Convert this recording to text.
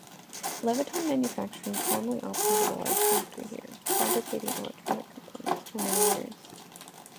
Leviton Manufacturing formerly operated a large factory here, fabricating electronic components for many years.